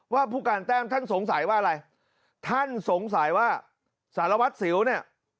ผู้การแต้มท่านสงสัยว่าอะไรท่านสงสัยว่าสารวัตรสิวเนี่ย